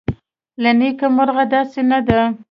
له نیکه مرغه داسې نه ده